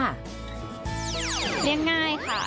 เรียกง่ายค่ะ